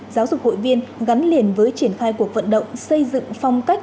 giáo dục hội viên gắn liền với triển khai cuộc vận động xây dựng phong cách